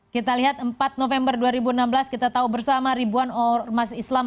kita lihat empat november dua ribu enam belas kita tahu bersama ribuan ormas islam